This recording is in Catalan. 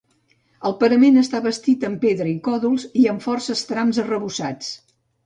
El parament està bastit amb pedra i còdols i amb forces trams arrebossats.